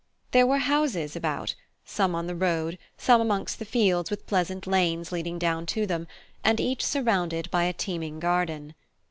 There were houses about, some on the road, some amongst the fields with pleasant lanes leading down to them, and each surrounded by a teeming garden.